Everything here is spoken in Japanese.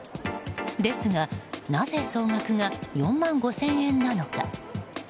ですが、なぜ総額が４万５０００円なのか。